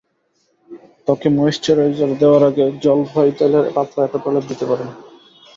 ত্বকে ময়েশ্চারাইজার দেওয়ার আগে জলপাই তেলের পাতলা একটি প্রলেপ দিতে পারেন।